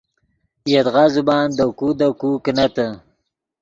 یدغا زبان دے کو دے کو کینتے